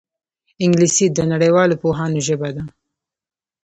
انګلیسي د نړیوالو پوهانو ژبه ده